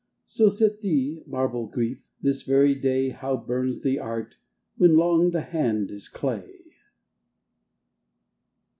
So sit thee, marble Grief ! this very day How burns the art when long the hand is clay